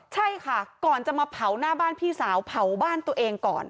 ใช่ค่ะก่อนจะมาเผาหน้าบ้านพี่สาวเผาบ้านตัวเองก่อน